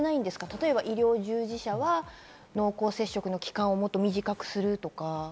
例えば医療従事者は濃厚接触の期間をもっと短くするとか。